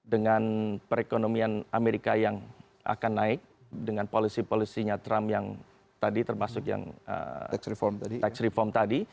dengan perekonomian amerika yang akan naik dengan policy policy nya trump yang tadi termasuk yang tax reform tadi